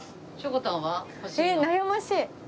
え悩ましい。